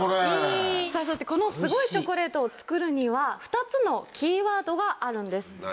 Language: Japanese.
さぁそしてこのすごいチョコレートを作るには２つのキーワードがあるんです。